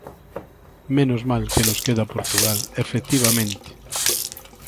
Menos mal que nos queda Portugal, efectivamente.